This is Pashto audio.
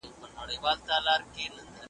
ورونه دي بند وي د مکتبونو .